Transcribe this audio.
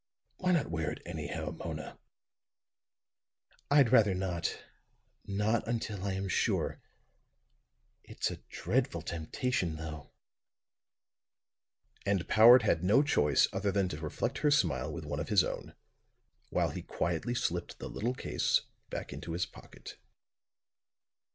"Why not wear it anyhow, Mona?" "I'd rather not not until I am sure. It's a dreadful temptation, though!" And Powart had no choice other than to reflect her smile with one of his own, while he quietly slipped the little case back into his pocket.